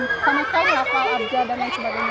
saya misalnya pak abja dan lain sebagainya